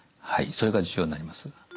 はいそれが重要になります。